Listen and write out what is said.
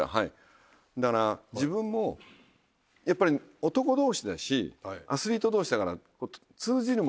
だから自分もやっぱり男同士だしアスリート同士だから通じるものがあるんですよ。